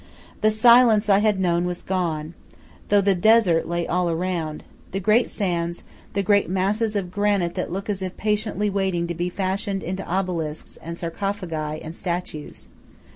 The silence I had known was gone, though the desert lay all around the great sands, the great masses of granite that look as if patiently waiting to be fashioned into obelisks, and sarcophagi, and statues.